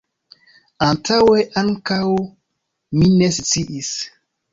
Antaŭe ankaŭ mi ne sciis.